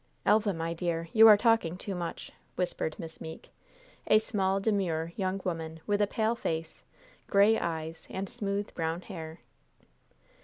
"Elva, my dear, you are talking too much," whispered Miss Meeke, a small, demure young woman, with a pale face, gray eyes and smooth brown hair.